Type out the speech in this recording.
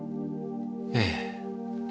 ええ。